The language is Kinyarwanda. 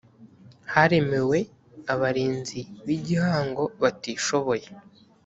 haremewe abarinzi b’igihango batishoboye